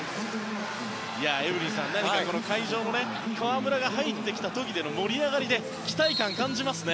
エブリンさん、何か会場も河村が入ってきた時の盛り上がりで期待感を感じますね。